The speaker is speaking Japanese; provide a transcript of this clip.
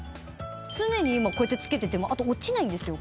常に今こうやってつけてても落ちないんですよ